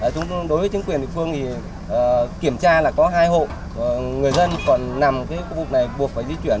đối với chính quyền địa phương thì kiểm tra là có hai hộ người dân còn nằm khu vực này buộc phải di chuyển